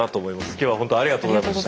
今日は本当ありがとうございました。